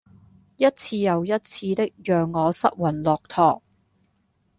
一次又一次的讓我失魂落魄